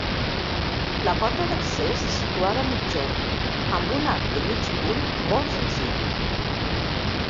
La porta d'accés és situada a migjorn, amb un arc de mig punt molt senzill.